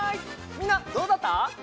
みんなどうだった？